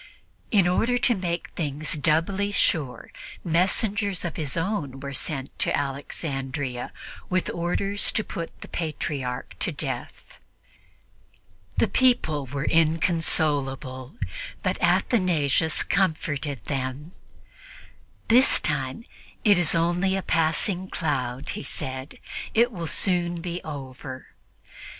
In order to make things doubly sure, messengers of his own were sent to Alexandria with orders to put the Patriarch to death. The people were inconsolable, but Athanasius comforted them. "This time it is only a passing cloud," he said; "it will soon be over."